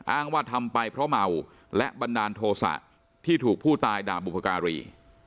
อ้างว่าทำไปเพราะเมาและบันดาลโทษะที่ถูกผู้ตายด่าบุพการี